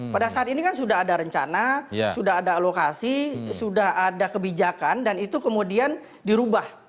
pada saat ini kan sudah ada rencana sudah ada alokasi sudah ada kebijakan dan itu kemudian dirubah